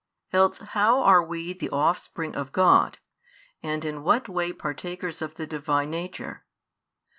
Else how are we the offspring of God, and in what |84 way partakers of the Divine Nature?